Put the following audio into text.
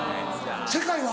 世界は？